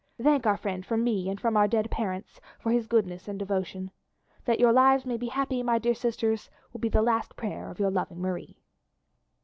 Thank our friend from me and from our dead parents for his goodness and devotion. That your lives may be happy, my dear sisters, will be the last prayer of your loving Marie."